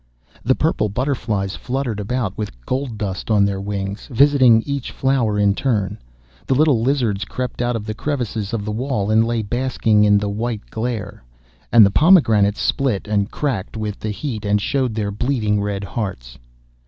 The purple butterflies fluttered about with gold dust on their wings, visiting each flower in turn; the little lizards crept out of the crevices of the wall, and lay basking in the white glare; and the pomegranates split and cracked with the heat, and showed their bleeding red hearts.